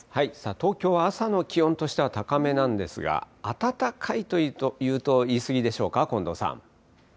東京は朝の気温としては高めなんですが、暖かいというと言い過ぎでしょうか、近藤さん。